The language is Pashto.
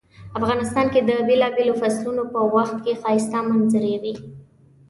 افغانستان کې د بیلابیلو فصلونو په وخت کې ښایسته منظرۍ وی